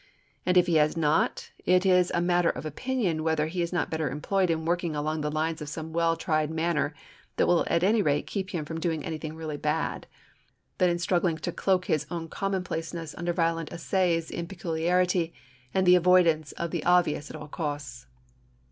And if he has not, it is a matter of opinion whether he is not better employed in working along the lines of some well tried manner that will at any rate keep him from doing anything really bad, than in struggling to cloak his own commonplaceness under violent essays in peculiarity and the avoidance of the obvious at all costs.